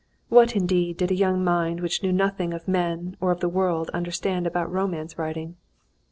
What, indeed, did a young mind which knew nothing of men or of the world understand about romance writing?